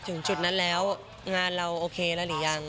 ถึงจุดนั้นแล้วงานเราโอเคแล้วหรือยัง